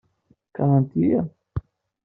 Keṛhent-iyi?